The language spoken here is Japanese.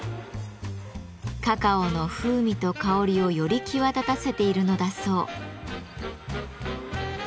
カカオの風味と香りをより際立たせているのだそう。